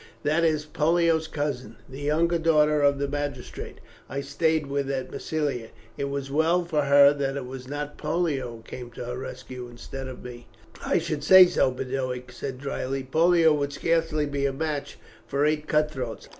"That is Pollio's cousin, the younger daughter of the magistrate I stayed with at Massilia. It was well for her that it was not Pollio who came to her rescue instead of us." "I should say so," Boduoc said dryly. "Pollio would scarcely be a match for eight cutthroats."